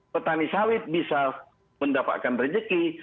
petani sawit bisa mendapatkan rezeki